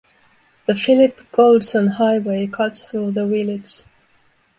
The Phillip Goldson highway cuts through the village.